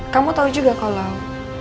kamu tahu juga kalau